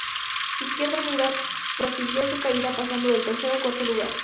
Izquierda Unida prosiguió su caída pasando del tercer al cuarto lugar.